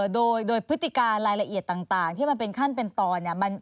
โดยพฤติการรายละเอียดต่างที่มันเป็นขั้นเป็นตอนเนี่ย